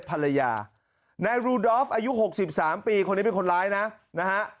ภรรยานายรูดอฟอายุ๖๓ปีคนนี้เป็นคนร้ายนะนะฮะ